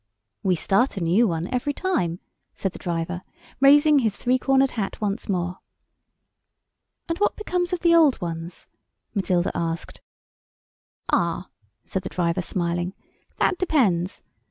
"We start a new one every time," said the driver, raising his three cornered hat once more. "And what becomes of the old ones?" Matilda asked. "Ah," said the driver, smiling, "that depends.